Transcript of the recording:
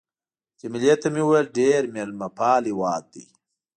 جميله ته مې وویل: ډېر مېلمه پال هېواد دی.